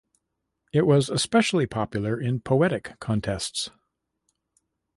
It was especially popular in poetic contests.